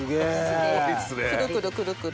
クルクルクルクル。